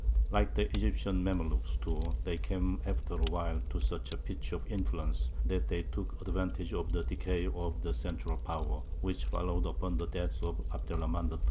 Like the Egyptian Mamlūks, too, they came after a while to such a pitch of influence that they took advantage of the decay of the central power, which followed upon the death of Abd er Rahmān III.